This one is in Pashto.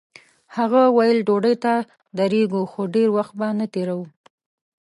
هغه ویل ډوډۍ ته درېږو خو ډېر وخت به نه تېروو.